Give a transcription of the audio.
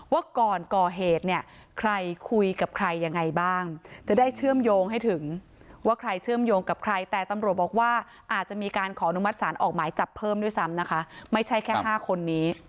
ว่าก่อนก่อเหตุเนี่ยใครคุยกับใครยังไงบ้างจะได้เชื่อมโยงให้ถึงว่าใครเชื่อมโยงกับใครแต่ตำรวจบอกว่าอาจจะมีการขออนุมัติศาลออกหมายจับเพิ่มด้วยซ้ำนะคะไม่ใช่แค่๕คนนี้